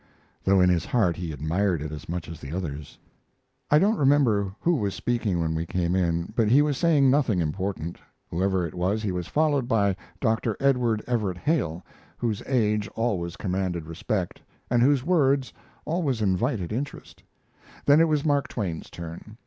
though in his heart he admired it as much as the others. I don't remember who was speaking when we came in, but he was saying nothing important. Whoever it was, he was followed by Dr. Edward Everett Hale, whose age always commanded respect, and whose words always invited interest. Then it was Mark Twain's turn.